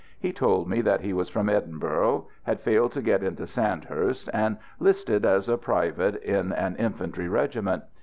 He told me that he was from Edinburgh, had failed to get into Sandhurst, and "listed" as a private in an infantry regiment.